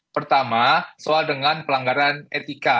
pertama soal dengan pelanggaran etika